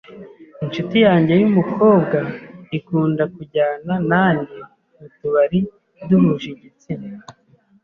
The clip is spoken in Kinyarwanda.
Inshuti yanjye yumukobwa ikunda kujyana nanjye mu tubari duhuje igitsina.